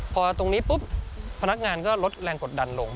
พอตรงนี้ปุ๊บพนักงานก็ลดแรงกดดันลง